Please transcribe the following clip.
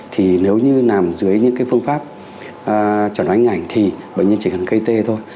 thì nếu như nằm dưới những phương pháp tròn ánh ngảnh thì bệnh nhân chỉ cần kt thôi